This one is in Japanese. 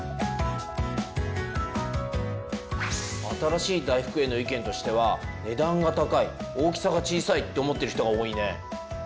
新しい大福への意見としては「値段が高い」「大きさが小さい」って思っている人が多いね。